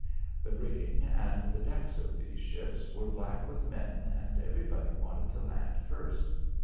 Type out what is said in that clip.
The rigging and the decks of these ships were black with men and everybody wanted to land first.